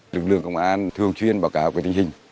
lực lượng công an thường chuyên báo cáo tình hình